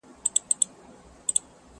د سواهدو په لټه کي دي او هر څه ګوري.